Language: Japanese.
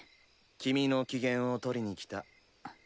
君の機嫌を取りに来た。